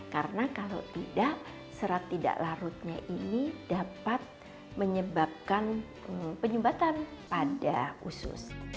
karena kalau tidak serat tidak larutnya ini dapat menyebabkan penyumbatan pada usus